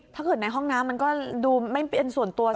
ถ้าเกิดในห้องน้ำมันก็ดูไม่เป็นส่วนตัว